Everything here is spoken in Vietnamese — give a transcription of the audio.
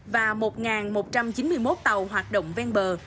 và một một trăm chín mươi một tàu hoạt động ven bờ